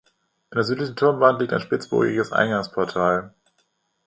In der südlichen Turmwand liegt ein spitzbogiges Eingangsportal.